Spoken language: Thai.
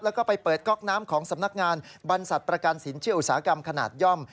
แล้วก็ไปเปิดก๊อกน้ำของสำนักงานบรรษัทประกันสินเชื่ออุตสาหกรรมขนาดย่อม